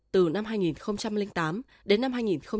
từ năm hai nghìn tám đến năm hai nghìn một mươi